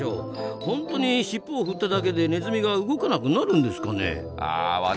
本当にしっぽを振っただけでネズミが動かなくなるんですかね？